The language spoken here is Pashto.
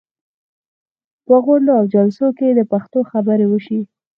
په غونډو او جلسو کې دې پښتو خبرې وشي.